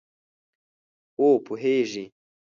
او پوهیږې